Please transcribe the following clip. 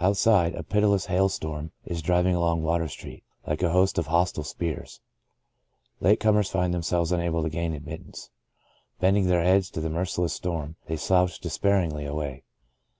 Out side, a pitiless hail storm is driving along Water Street, like a host of hostile spears. Late comers find themselves unable to gain admittance. Bending their heads to the merciless storm, they slouch despairingly away.